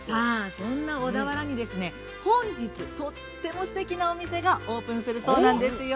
◆そんな小田原に、本日とてもすてきなお店がオープンするそうなんですよ。